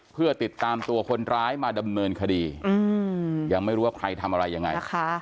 เพื่อติดตามตัวคนร้ายมาดำเนินคดียังไม่รู้ว่าใครทำอะไรยังไง